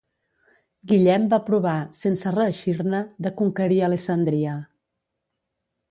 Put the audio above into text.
Guillem va provar, sense reeixir-ne, de conquerir Alessandria.